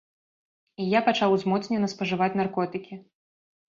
І я пачаў узмоцнена спажываць наркотыкі.